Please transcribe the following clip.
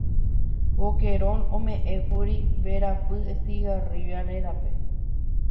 Boquerón omeʼẽkuri verapy Estigarribia rérape.